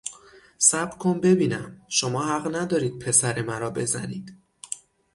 صبر کن ببینم، شما حق ندارید پسر مرا بزنید!